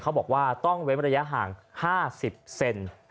เขาบอกว่าต้องเว้นระยะห่าง๕๐เซน